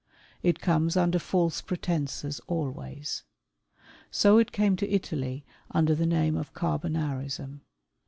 It comes under false pretences always. So it came to Italy under the name of Carbonarism.